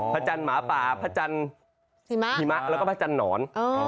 จันทหมาป่าพระจันทร์หิมะแล้วก็พระจันทร์หนอน